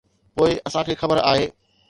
پوء اسان کي خبر آهي.